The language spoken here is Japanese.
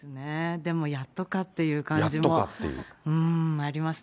でもやっとかっていう感じもありますね。